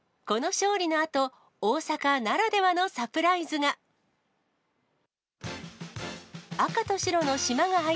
この勝利のあと、大阪ならではのサプライズが。